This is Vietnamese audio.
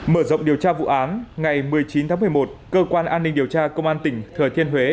mở rộng điều tra vụ án ngày một mươi chín tháng một mươi một cơ quan an ninh điều tra công an tỉnh thừa thiên huế